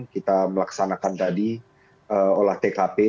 kita melaksanakan tadi olah tkp